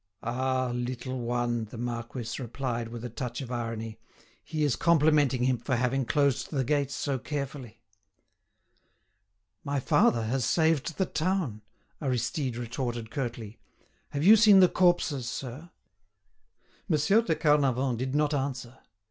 "Ah! little one," the marquis replied with a touch of irony, "he is complimenting him for having closed the gates so carefully." "My father has saved the town," Aristide retorted curtly. "Have you seen the corpses, sir?" Monsieur de Carnavant did not answer.